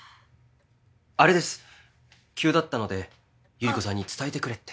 あれです急だったのでゆり子さんに伝えてくれって。